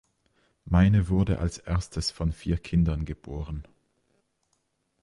Meine wurde als erstes von vier Kindern geboren.